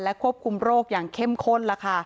ควบคุมโรคอย่างเข้มข้น